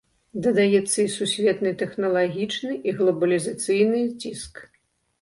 Дадаецца і сусветны тэхналагічны і глабалізацыйны ціск.